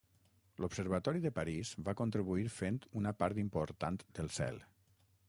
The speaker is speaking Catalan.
L'Observatori de París va contribuir fent una part important del cel.